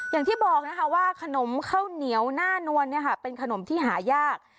อย่างที่บอกนะคะว่าขนมข้าวเหนียวหน้านวลเป็นขนมที่หายาก